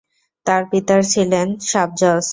তার পিতার ছিলেন সাব-জজ।